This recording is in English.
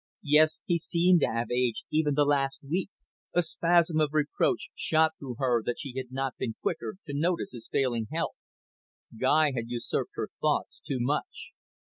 Yes, he seemed to have aged even the last week. A spasm of reproach shot through her that she had not been quicker to notice his failing health. Guy had usurped her thoughts too much.